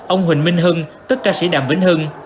ông huỳnh minh hưng tức ca sĩ đàm vĩnh hưng